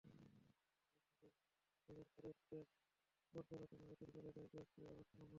জামিলুর রেজা স্যারের ড্যাপ পর্যালোচনা বাতিল করে দেয় কয়েকটি আবাসন কোম্পানি।